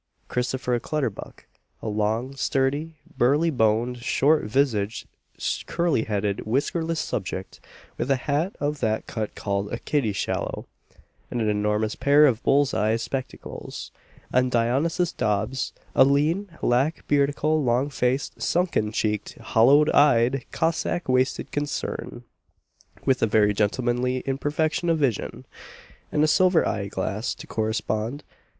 Christopher Clutterbuck, a long, sturdy, burly boned, short visaged, curly headed, whiskerless subject, with a hat of that cut called a kiddy shallow, and an enormous pair of bull's eye spectacles; and Dionysius Dobbs, a lean, lack beardical, long faced, sunken cheeked, hollow eyed, cossack waisted concern, with a very gentlemanly imperfection of vision, and a silver eye glass to correspond.